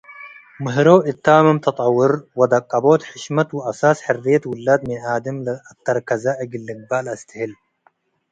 ምህሮ እት ታምም ተጠውር ወአደቀቦት ሕሽመት ወአሳስ ሕርየት ውላድ ሚንኣደም ለአተርከዘ እግል ልግበእ ለአስትህል።